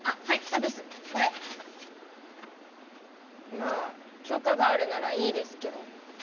まあ許可があるならいいですけど。